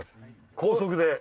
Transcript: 高速で。